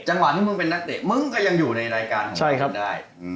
จังหวะที่มึงเป็นนักเตะมึงก็ยังอยู่ในรายการใช่ครับได้